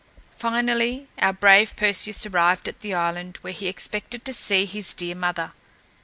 Finally, our brave Perseus arrived at the island where he expected to see his dear mother.